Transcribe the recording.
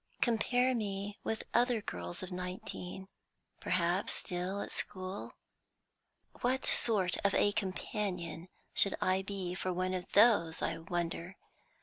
Compare me with other girls of nineteen perhaps still at school. What sort of a companion should I be for one of those, I wonder!